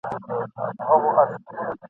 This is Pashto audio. همداسي هره وسیله او هر فرصت کاروي ..